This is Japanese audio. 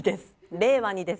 令和にです。